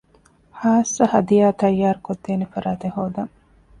ޚާއްޞަ ހަދިޔާ ތައްޔާރު ކޮށްދޭނެ ފަރާތެއް ހޯދަން